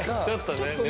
ちょっとね。